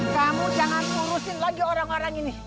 kamu jangan ngurusin lagi orang orang ini